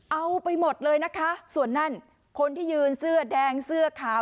เอาไปหมดเลยนะคะส่วนนั่นคนที่ยืนเสื้อแดงเสื้อขาว